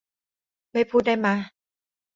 ไม่พูดได้มะ